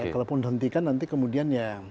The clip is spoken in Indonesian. kalaupun dihentikan nanti kemudian yang